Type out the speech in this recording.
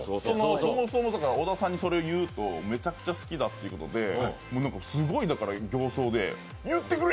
そもそも小田さんにそれを言うとめちゃくちゃ好きだっていうことで、すごい形相で、言ってくれ！